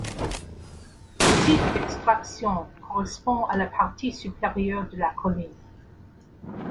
Le site d'extraction correspond à la partie supérieure de la colline.